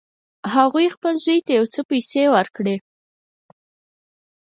هغې خپل زوی ته یو څه پیسې ورکړې